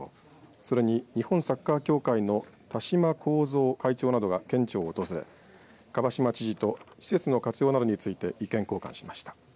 それに日本サッカー協会の豊島会長などが県庁を訪れ蒲島知事と施設の活用などについて意見交換しました。